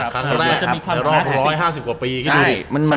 ครั้งแรกรอบ๑๕๐กว่าปี